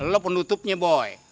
lo penutupnya boy